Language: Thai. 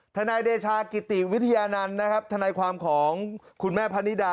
นายเดชากิติวิทยานันต์นะครับทนายความของคุณแม่พะนิดา